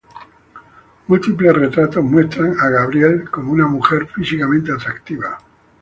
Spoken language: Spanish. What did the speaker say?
Múltiples retratos muestran a Gabrielle como una mujer físicamente atractiva.